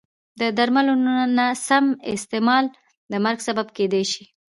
د درملو نه سم استعمال د مرګ سبب کېدای شي.